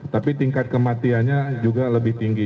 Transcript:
tapi tingkat kematiannya juga lebih tinggi